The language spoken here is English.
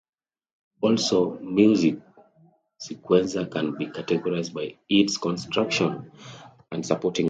Also, music sequencer can be categorized by its construction and supporting modes.